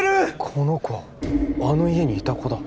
この子あの家にいた子だ